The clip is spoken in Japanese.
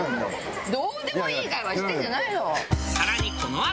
どうでもいい会話してるんじゃないよ！